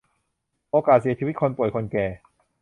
โอกาสเสียชีวิต คนป่วย คนแก่